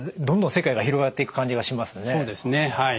どんどん世界が広がっていく感じがしますね。